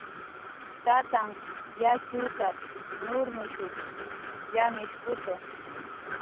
"Tatanhq yatxutat"" nurnushunht"" yanhishkutu. "